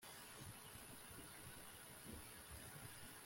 ku isi bari baratewe no gufunga amashuri kubera